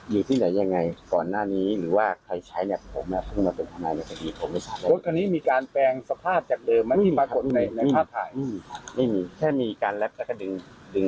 ไม่ใช่คือพี่จะไปมัดอย่างนั้นสิผมไม่รู้รายละเอียด